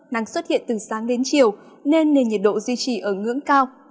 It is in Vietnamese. nắng xuất hiện từ sáng đến chiều nên nền nhiệt độ duy trì ở ngưỡng cao